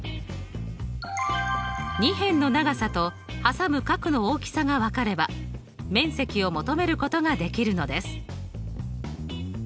２辺の長さとはさむ角の大きさが分かれば面積を求めることができるのです。